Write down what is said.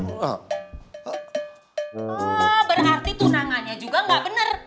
berarti tunangannya juga nggak bener